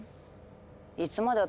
いつまで私